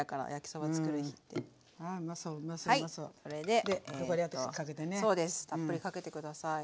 そうですたっぷりかけて下さい。